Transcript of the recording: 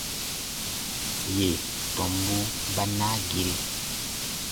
Yè tɔmbu ba naa gire.